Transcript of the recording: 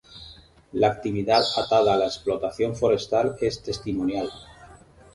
La actividad atada a la explotación forestal es testimonial.